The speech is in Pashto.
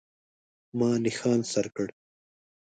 ما نښان سر کړ.